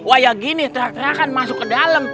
wah ya gini terakan masuk ke dalam